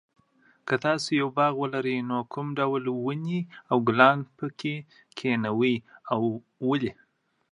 که تاسو يو باغ ولرۍ نو کوم ډول ونې او ګلان پکې کېنوۍ او ولې؟